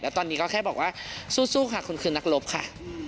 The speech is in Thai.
ตอนนี้ก็แค่บอกว่าสู้ค่ะคุณคือนักรบค่ะ